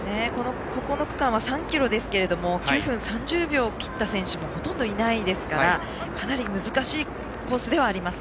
ここの区間は３ｋｍですが９分３０秒を切った選手もほとんどいないですからかなり難しいコースではあります。